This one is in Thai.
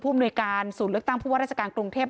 อำนวยการศูนย์เลือกตั้งผู้ว่าราชการกรุงเทพ